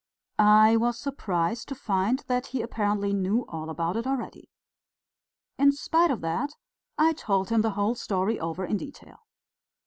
I was surprised to find that he apparently knew all about it already. In spite of that I told him the whole story over in detail.